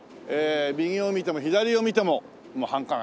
右を見ても左を見ても繁華街。